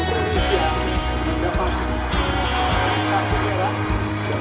ada di kota mereka